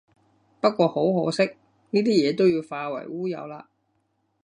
不過好可惜，呢啲嘢都要化為烏有喇